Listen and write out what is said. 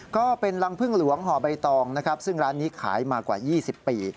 ก็เป็นรังพึ่งหลวงห่อใบตองนะครับซึ่งร้านนี้ขายมากว่า๒๐ปี